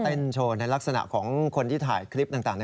แล้วก็เต้นโชว์ในลักษณะของคนที่ถ่ายคลิปต่างเนี่ย